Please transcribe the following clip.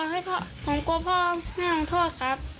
แล้วเคยไปไหมครับตรงนั้นน่ะครับ